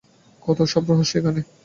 কত সব রহস্য এখানে!